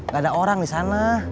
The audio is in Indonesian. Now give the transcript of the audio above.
gak ada orang di sana